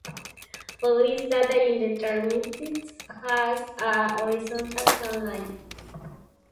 All this data is transmitted as a horizontal scan line.